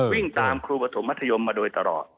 วิ่งตามครูปฐมมัธยมมาโดยตลอด